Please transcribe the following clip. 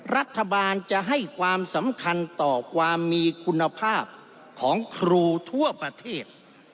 รัฐบาลจะให้ความสำคัญต่อความมีคุณภาพของครูทั่วประเทศ